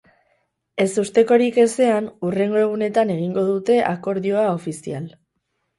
Ezustekorik ezean, hurrengo egunetan egingo dute akordioa ofizial.